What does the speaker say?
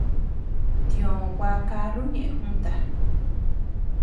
Tiʼö gua karru ñeʼe junta.